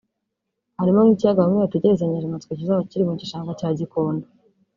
Harimo nk’ikiyaga bamwe bategerezanyije amatsiko kizaba kiri mu gishanga cya Gikondo